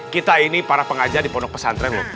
kita ini para pengajar di pondok pesantren loh